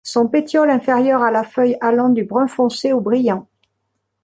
Son pétiole inférieure a la feuille allant du brun foncé au brillant.